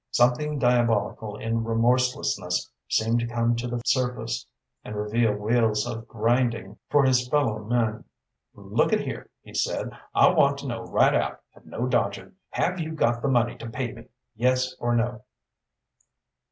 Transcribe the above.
Something diabolical in remorselessness seemed to come to the surface, and reveal wheels of grinding for his fellow men. "Look at here," he said, "I want to know right out, and no dodging. Have you got the money to pay me yes or no?"